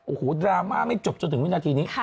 โอ้โหดราม่าไม่จบจนถึงวินาทีนี้